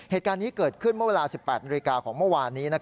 เหตุการณ์นี้เกิดขึ้นเมื่อเวลา๑๘นาฬิกาของเมื่อวานนี้